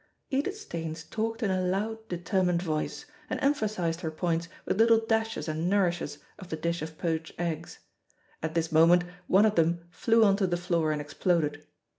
Edith Staines talked in a loud, determined voice, and emphasised her points with little dashes and nourishes of the dish of poached eggs. At this moment one of them flew on to the floor and exploded.